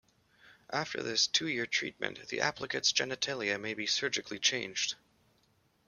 After this two-year treatment, the applicant's genitalia may be surgically changed.